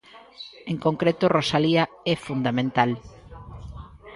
En concreto Rosalía é fundamental.